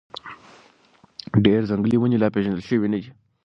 ډېر ځنګلي ونې لا پېژندل شوي نه دي.